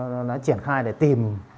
nó triển khai để tìm